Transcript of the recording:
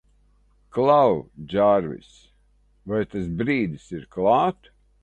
Klau, Džārvis, vai tas brīdis ir klāt?